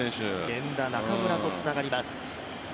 源田、中村とつながります。